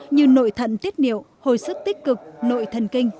như nội thận tiết niệu hồi sức tích cực nội thần kinh